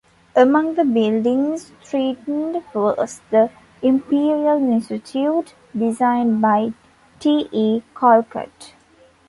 Among the buildings threatened was the Imperial Institute, designed by T. E. Collcutt.